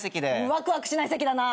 ワクワクしない席だな。